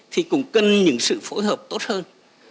thì cũng cần những sự phối hợp tốt hơn